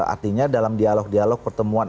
artinya dalam dialog dialog pertemuan